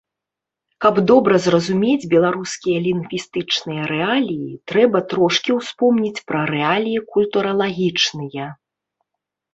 Каб добра зразумець беларускія лінгвістычныя рэаліі, трэба трошкі успомніць пра рэаліі культуралагічныя.